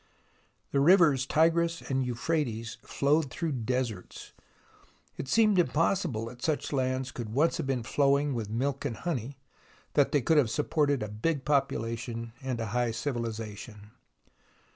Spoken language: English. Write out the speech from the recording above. The rivers Tigris and Euphrates flowed through deserts. It seemed impossible that such lands could once have been flowing with milk and honey, that they could have supported a big population and a high civilization.